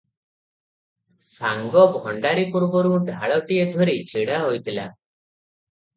ସାଙ୍ଗ ଭଣ୍ତାରୀ ପୂର୍ବରୁ ଢାଳଟିଏ ଧରି ଛିଡ଼ାହୋଇଥିଲା ।